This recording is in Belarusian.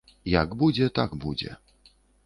Як будзе, так будзе.